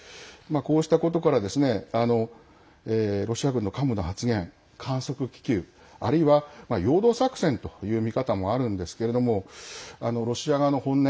こうしたことからロシア軍の幹部の発言、観測気球あるいは陽動作戦という見方もあるんですけれどもロシア側の本音